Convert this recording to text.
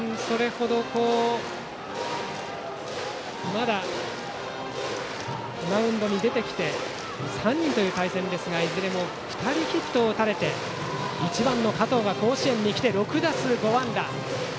まだマウンドに出てきて３人という対戦ですがいずれも２人ヒットを打たれて１番の加藤は甲子園に来て６打数５安打。